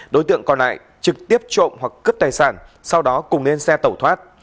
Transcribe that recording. đối tượng còn lại trực tiếp trộm hoặc cướp tài sản sau đó cùng lên xe tẩu thoát